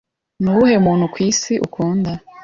Ni uwuhe muntu ku Isi ukunda